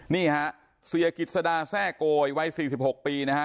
นี่ฮะเสียกิจสดาแทร่โกยวัย๔๖ปีนะฮะ